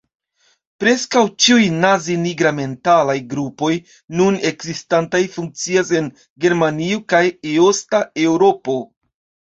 Preskaŭ ĉiuj nazi-nigramentalaj grupoj nun ekzistantaj funkcias en Germanio kaj Eosta Eŭropo.